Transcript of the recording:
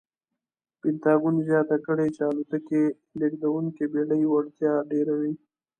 پنټاګون زیاته کړې چې الوتکې لېږدونکې بېړۍ وړتیا ډېروي.